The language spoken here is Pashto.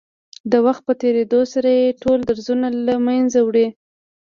د وخت په تېرېدو سره يې ټول درځونه له منځه وړي.